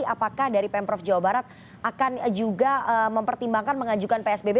apakah dari pemprov jawa barat akan juga mempertimbangkan mengajukan psbb